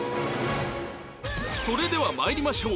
それでは参りましょう